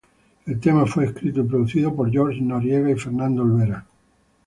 El tema fue escrito y producido por George Noriega y Fernando Olvera.